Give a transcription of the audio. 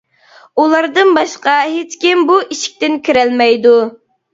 ئۇلاردىن باشقا ھېچكىم بۇ ئىشىكتىن كېرەلمەيدۇ.